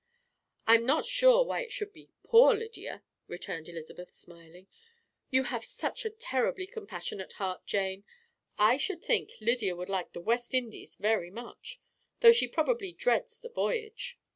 "I am not sure why it should be 'poor Lydia,'" returned Elizabeth, smiling; "you have such a terribly compassionate heart, Jane! I should think Lydia would like the West Indies very much, though she probably dreads the voyage."